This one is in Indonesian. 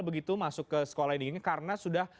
begitu masuk ke sekolah ini karena sudah